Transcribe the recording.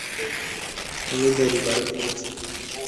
তুমি দেরি করে ফেলেছ।